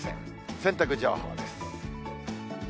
洗濯情報です。